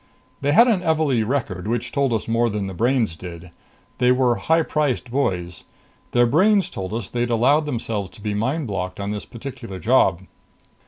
"They had an Evalee record which told us more than the brains did. They were high priced boys. Their brains told us they'd allowed themselves to be mind blocked on this particular job.